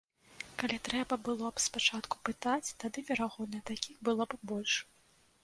Калі трэба было б спачатку пытаць, тады, верагодна, такіх было б больш.